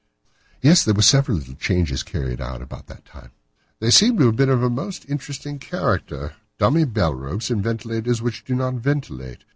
"Yes, there were several little changes carried out about that time." "They seem to have been of a most interesting character—dummy bell ropes, and ventilators which do not ventilate.